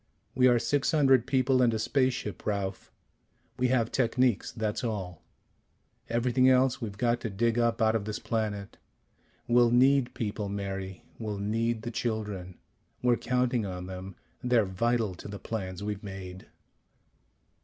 We are six hundred people and a spaceship, Ralph. We have techniques. That's all. Everything else we've got to dig up out of this planet. We'll need people, Mary; we'll need the children. We're counting on them. They're vital to the plans we've made."